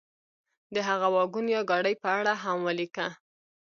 د هغه واګون یا ګاډۍ په اړه هم ولیکه.